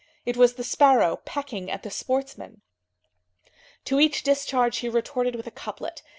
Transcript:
It was the sparrow pecking at the sportsmen. To each discharge he retorted with a couplet.